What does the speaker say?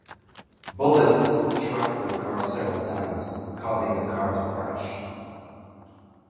Bullets struck their car several times, causing the car to crash.